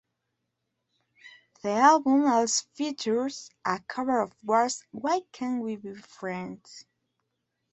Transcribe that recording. The album also features a cover of War's "Why Can't We Be Friends?".